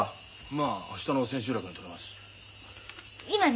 まあ明日の千秋楽に取ります。